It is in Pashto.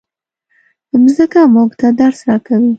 مځکه موږ ته درس راکوي.